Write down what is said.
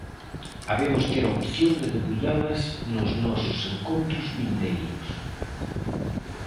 Habemos ter opción de debullalas nos nosos encontros vindeiros.